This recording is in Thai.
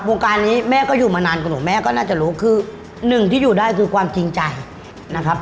วงการนี้แม่ก็อยู่มานานกว่าหนูแม่ก็น่าจะรู้คือหนึ่งที่อยู่ได้คือความจริงใจนะครับ